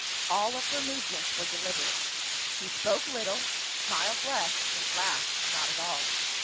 All of her movements were deliberate ; she spoke little, smiled less, and laughed not at all.